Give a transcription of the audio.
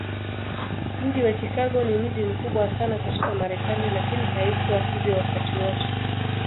Mji wa Chicago ni mji mkubwa sana katika Marekani, lakini haikuwa hivyo wakati wote.